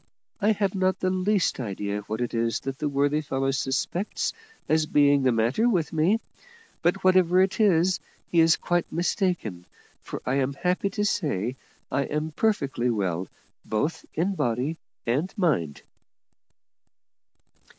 I have not the least idea what it is that the worthy fellow suspects as being the matter with me; but, whatever it is, he is quite mistaken, for I am happy to say I am perfectly well both in body and mind."